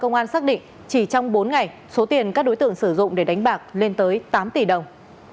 công an xác định chỉ trong bốn ngày số tiền các đối tượng sử dụng để đánh bạc lên tới tám tỷ đồng